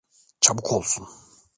Çabuk olsun.